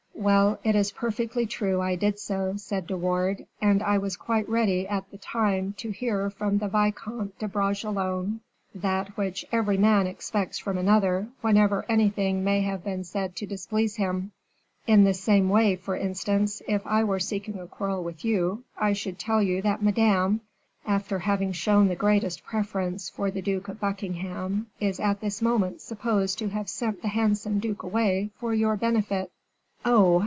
"Well, it is perfectly true I did so," said De Wardes, "and I was quite ready, at the time, to hear from the Vicomte de Bragelonne that which every man expects from another whenever anything may have been said to displease him. In the same way, for instance, if I were seeking a quarrel with you, I should tell you that Madame after having shown the greatest preference for the Duke of Buckingham, is at this moment supposed to have sent the handsome duke away for your benefit." "Oh!